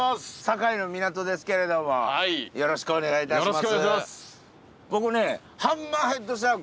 堺の港ですけれどもよろしくお願いいたします。